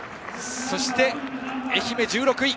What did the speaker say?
そして愛媛、１６位。